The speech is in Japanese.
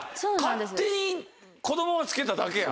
勝手に子供が付けただけや。